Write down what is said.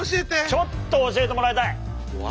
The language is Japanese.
ちょっと教えてもらいたい！